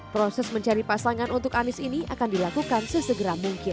proses mencari pasangan untuk anies ini akan dilakukan sesegera mungkin